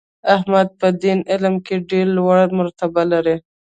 احمد په دیني علم کې ډېره لوړه مرتبه لري.